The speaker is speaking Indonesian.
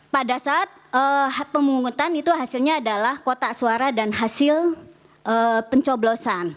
pada saat pemungutan itu hasilnya adalah kotak suara dan hasil pencoblosan